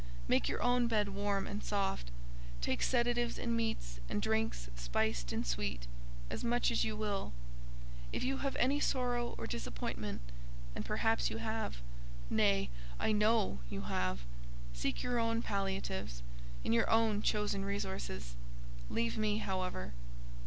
Make your own bed warm and soft; take sedatives and meats, and drinks spiced and sweet, as much as you will. If you have any sorrow or disappointment—and, perhaps, you have—nay, I know you have—seek your own palliatives, in your own chosen resources. Leave me, however.